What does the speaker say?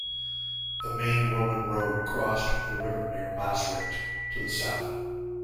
The main Roman road crossed the river near Maastricht, to the south.